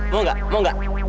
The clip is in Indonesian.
mau gak mau gak